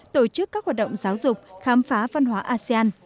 tổ chức các hoạt động giáo dục khám phá văn hóa asean